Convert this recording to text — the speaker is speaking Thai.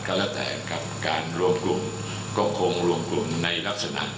ก็แล้วแต่กับการรวบรวมก็คงรวมกลุ่มในลักษณะ